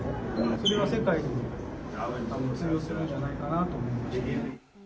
それは世界にも通用するんじゃないかなと思いますね。